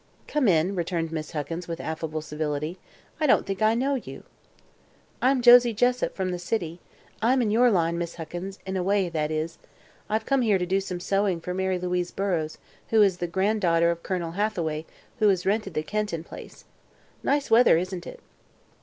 "Come in," returned Miss Huckins, with affable civility. "I don't think I know you." "I'm Josie Jessup, from the city. I'm in your line, Miss Huckins in a way, that is. I've come here to do some sewing for Mary Louise Burrows, who is the granddaughter of Colonel Hathaway, who has rented the Kenton Place. Nice weather, isn't it?"